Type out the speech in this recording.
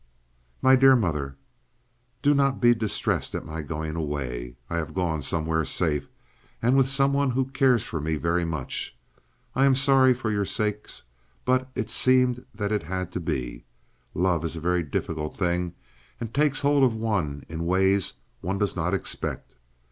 — "MY DEAR MOTHER, "Do not be distressed at my going away. I have gone somewhere safe, and with some one who cares for me very much. I am sorry for your sakes, but it seems that it had to be. Love is a very difficult thing, and takes hold of one in ways one does not expect.